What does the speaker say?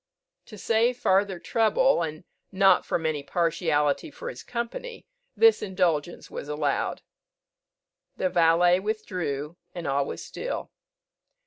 To save farther trouble, and not from any partiality for his company, this indulgence was allowed. The valet withdrew, and all was still.